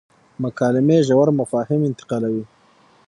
مکالمې ژور مفاهیم انتقالوي.